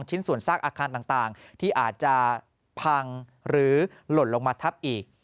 ชิ้นส่วนซากอาคารต่างที่อาจจะพังหรือหล่นลงมาทับอีก